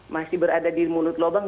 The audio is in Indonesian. masih berada di mulut lubang